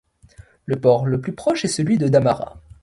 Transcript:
Le port le plus proche est celui de Dhamara.